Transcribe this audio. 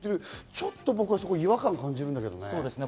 ちょっと僕、違和感を感じるんだけどね。